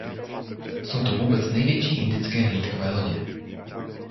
Jsou to vůbec největší indické hlídkové lodě.